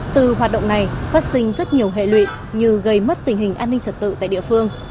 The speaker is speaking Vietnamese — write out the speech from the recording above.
từ hoạt động này phát sinh rất nhiều hệ lụy như gây mất tình hình an ninh trật tự tại địa phương